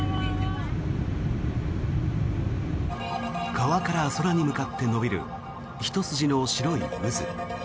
川から空に向かって延びるひと筋の白い渦。